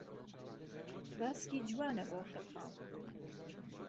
باسکی جوانه بۆ خرخاڵ